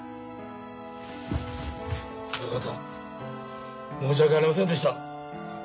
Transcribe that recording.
親方申し訳ありませんでした。